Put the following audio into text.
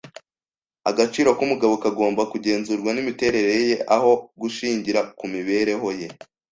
Agaciro k'umugabo kagomba kugenzurwa n'imiterere ye aho gushingira kumibereho ye.